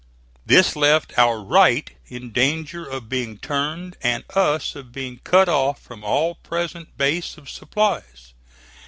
This left our right in danger of being turned, and us of being cut off from all present base of supplies.